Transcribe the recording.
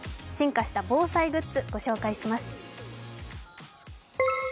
進化した防災グッズ、ご紹介します